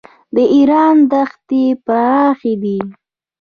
د ایران دښتې پراخې دي.